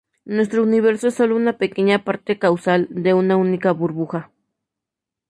Nuestro universo es solo una pequeña parte causal de una única burbuja.